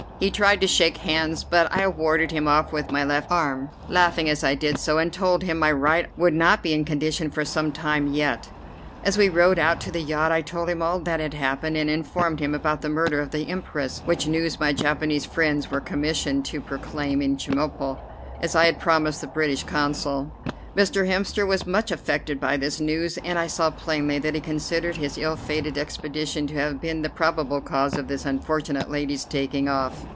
He tried to shake hands, but I warded him off with my left arm, laughing as I did so, and told him my right would not be in condition for some time yet. As we rowed out to the yacht I told him all that had happened, and informed him about the murder of the Empress, which news my Japanese friends were commissioned to proclaim in Chemulpo, as I had promised the British Consul. Mr. Hemster was much affected by this news, and I saw plainly that he considered his ill fated expedition to have been the probable cause of this unfortunate lady's taking off.